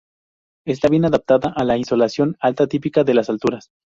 Está bien adaptada a la insolación alta típica de las alturas.